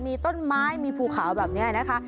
มีต้นไม้มีภูเขาแบบนี้นะคะ